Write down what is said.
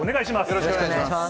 よろしくお願いします。